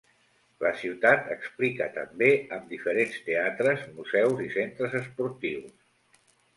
La ciutat explica també amb diferents teatres, museus i centres esportius.